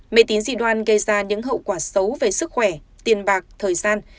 mê tín dị đoan gây ra những hậu quả xấu về sức khỏe tiền bạc thời gian